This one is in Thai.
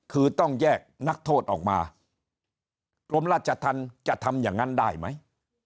คือต้องแยกนักโทษออกมากรมราชธรรมจะทำอย่างนั้นได้ไหม